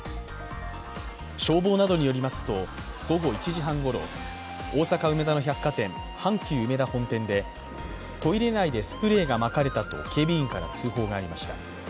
消防などによりますと午後１時半ごろ、大阪・梅田の百貨店阪急うめだ本店でトイレ内でスプレーがまかれたと警備員から通報がありました。